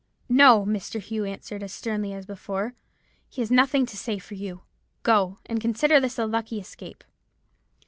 "'No!' Mr. Hugh answered, as sternly as before, 'he has nothing to say for you. Go; and consider this a lucky escape.'